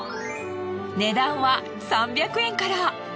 値段は３００円から。